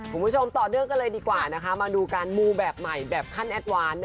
คุณผู้ชมต่อเนื่องกันเลยดีกว่านะคะมาดูการมูแบบใหม่แบบขั้นแอดวาน